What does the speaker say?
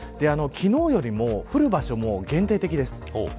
昨日よりも降る場所も限定的です。